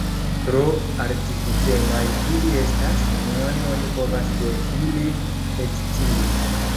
Tro artifikemaj ili estas, nenion oni povas de ili ekscii.